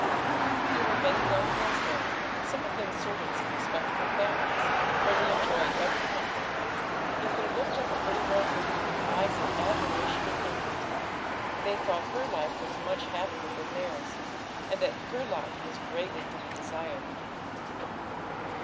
There were many young girls there, some of them servants in respectable families, where they enjoyed every comfort; yet they looked up at little Rosalie with eyes of admiration and envy. They thought her life was much happier than theirs, and that her lot was greatly to be desired.